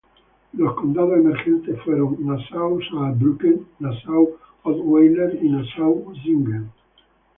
Los condados emergentes fueron Nassau-Saarbrücken, Nassau-Ottweiler y Nassau-Usingen.